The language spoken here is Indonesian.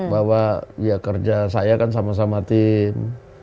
bahwa ya kerja saya kan sama sama tim